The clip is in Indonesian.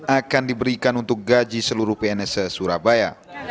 akan diberikan untuk gaji seluruh pns surabaya